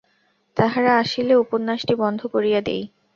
তাঁহারা আসিলে উপন্যাসটি বন্ধ করিয়া দিই।